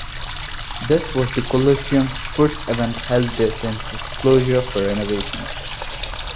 This was the coliseum's first event held there since its closure for renovations.